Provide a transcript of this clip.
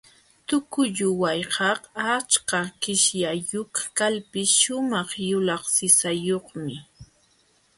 Tuqulluwaykaq achka kichkayuq kalpis shumaq yulaq sisayuqmi.